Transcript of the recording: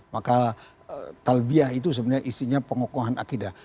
maka talbiah itu sebenarnya isinya pengokohan akidah